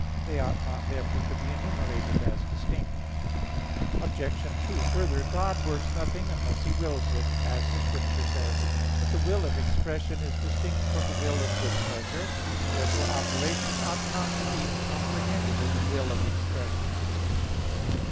They ought not therefore to be enumerated as distinct. Obj. 2: Further, God works nothing unless He wills it, as the Scripture says (Wis. 11:26). But the will of expression is distinct from the will of good pleasure. Therefore operation ought not to be comprehended in the will of expression.